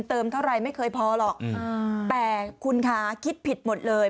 เท่าไรไม่เคยพอหรอกแต่คุณคะคิดผิดหมดเลย